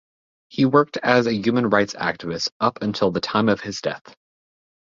He worked as a human rights activist up until the time of his death.